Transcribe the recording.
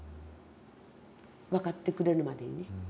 分かってくれるまでね。